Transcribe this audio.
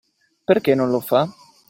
Perché non lo fa?